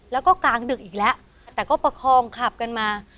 แล้วก็กลางดึกอีกแล้วแต่ก็ประคองขับกันมา